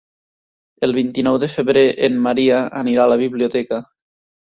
El vint-i-nou de febrer en Maria anirà a la biblioteca.